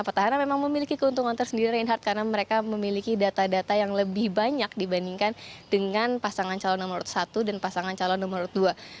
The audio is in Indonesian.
petahana memang memiliki keuntungan tersendiri reinhardt karena mereka memiliki data data yang lebih banyak dibandingkan dengan pasangan calon nomor satu dan pasangan calon nomor dua